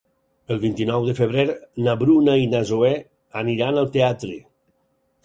El vint-i-nou de febrer na Bruna i na Zoè aniran al teatre.